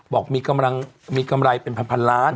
บอกมีกำไรเป็นพันล้าน